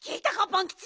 パンキチ。